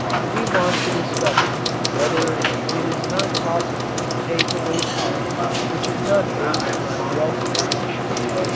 We want to discover whether it is not possible to take away power which is not based on wealth creation.